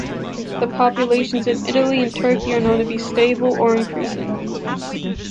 The populations in Italy and Turkey are known to be stable or increasing.